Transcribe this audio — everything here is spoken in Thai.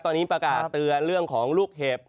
ตอนนี้ประกาศเตือนเรื่องของลูกเห็บ